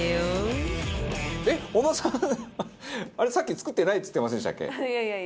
さっき「作ってない」って言ってませんでしたっけ？